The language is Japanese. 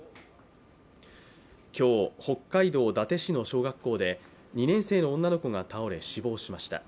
今日、北海道伊達市の小学校で２年生の女の子が倒れ、死亡しました。